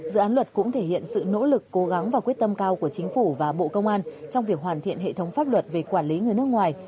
dự án luật cũng thể hiện sự nỗ lực cố gắng và quyết tâm cao của chính phủ và bộ công an trong việc hoàn thiện hệ thống pháp luật về quản lý người nước ngoài